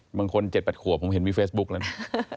บางคน๗๘ขวบผมเห็นมีเฟซบุ๊กแล้วนะ